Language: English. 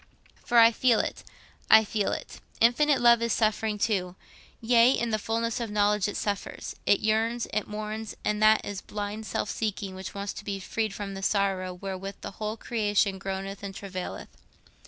For I feel it, I feel it—infinite love is suffering too—yea, in the fulness of knowledge it suffers, it yearns, it mourns; and that is a blind self seeking which wants to be freed from the sorrow wherewith the whole creation groaneth and travaileth.